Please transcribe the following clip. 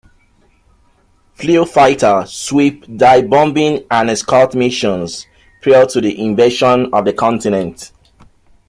Flew fighter- sweep, dive-bombing, and escort missions prior to the invasion of the continent.